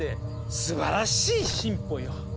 すばらしい進歩よ。